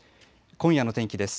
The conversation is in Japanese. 今夜の天気です。